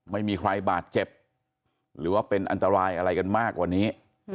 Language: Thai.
ไม่มีใครบาดเจ็บหรือว่าเป็นอันตรายอะไรกันมากกว่านี้